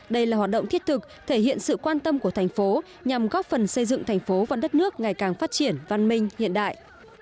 đây là hoạt động thiết thực thể hiện sự quan tâm của thành phố nhằm góp phần xây dựng thành phố và đất nước ngày càng phát triển văn minh hiện đại